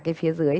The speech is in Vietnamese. cái phía dưới